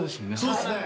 そうですね。